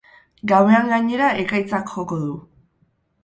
Gauean gainera ekaitzak joko du.